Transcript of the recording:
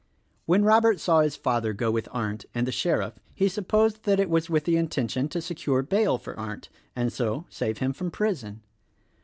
When Robert saw his father go with Arndt and the sheriff he supposed that it was with the intention to secure bail for Arndt, and so save him from prison.